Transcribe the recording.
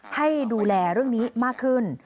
ให้ดูแลเรื่องนี้มากขึ้น